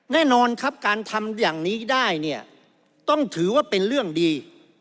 แน่นอนครับการทำอย่างนี้ได้เนี่ยต้องถือว่าเป็นเรื่องดี